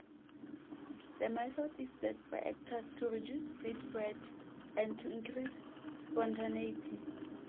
The method is said by actors to reduce stage fright and to increase spontaneity.